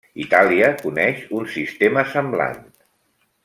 Itàlia coneix un sistema semblant.